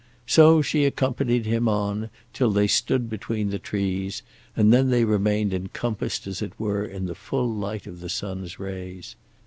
So she accompanied him on till they stood between the trees, and then they remained encompassed as it were in the full light of the sun's rays.